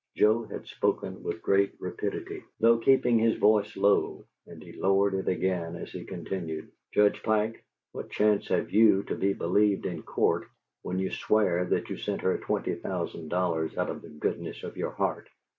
Joe had spoken with great rapidity, though keeping his voice low, and he lowered it again, as he continued: "Judge Pike, what chance have you to be believed in court when you swear that you sent her twenty thousand dollars out of the goodness of your heart?